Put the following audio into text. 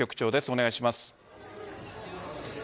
お願いします。